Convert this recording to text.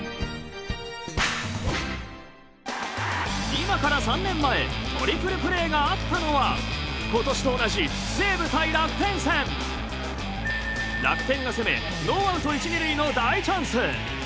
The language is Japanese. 今から３年前トリプルプレーがあったのは今年と同じ楽天が攻めノーアウト１・２塁の大チャンス。